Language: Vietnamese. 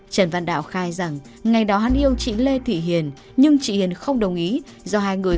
trần văn đạo khai rằng ngày đó hắn yêu chị lê thị hiền nhưng chị hiền không đồng ý do hai người